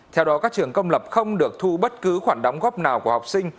theo đó các trường công lập không được thu bất cứ khoản đóng góp nào của học sinh